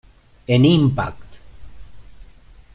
En Impact!